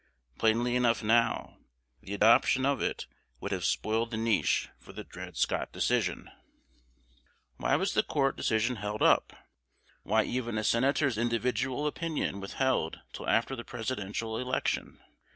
Plainly enough now: the adoption of it would have spoiled the niche for the Dred Scott Decision. Why was the court decision held up? Why even a senator's individual opinion withheld till after the Presidential election?